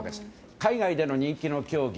海外での人気の競技。